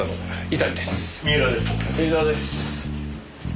芹沢です。